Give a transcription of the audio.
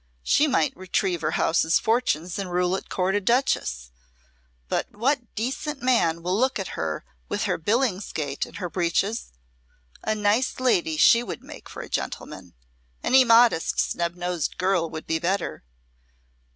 She might retrieve her house's fortunes and rule at Court a Duchess; but what decent man will look at her with her Billingsgate and her breeches? A nice lady she would make for a gentleman! Any modest snub nosed girl would be better.